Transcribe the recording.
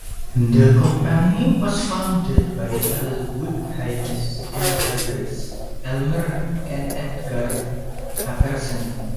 The company was founded by Elwood Haynes and brothers Elmer and Edgar Apperson.